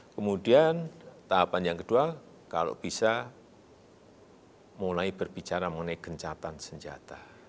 kemudian tahapan yang kedua kalau bisa mulai berbicara mengenai gencatan senjata